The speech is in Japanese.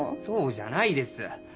そうじゃないです！